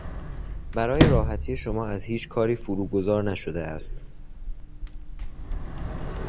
برای راحتی شما از هیچ کاری فرو گذار نشده است.